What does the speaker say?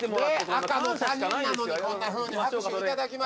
赤の他人なのにこんなふうに拍手いただきまして。